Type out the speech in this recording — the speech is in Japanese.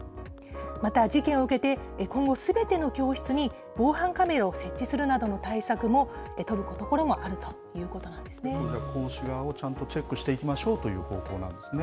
また、事件を受けて、今後、すべての教室に、防犯カメラを設置するなどの対策を取るところもあるということな講師側をちゃんとチェックしていきましょうという方向なんですね。